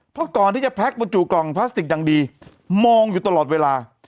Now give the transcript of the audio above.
เพราะก่อนที่จะแพ็คบรรจุกล่องพลาสติกอย่างดีมองอยู่ตลอดเวลา